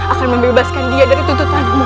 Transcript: akan membebaskan dia dari tuntutanmu